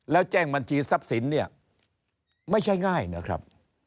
แล้วแจ้งบัญชีทรัพย์สินเนี่ยไม่ใช่ง่ายนะครับ